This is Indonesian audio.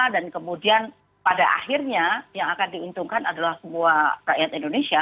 dan kemudian pada akhirnya yang akan diuntungkan adalah semua rakyat indonesia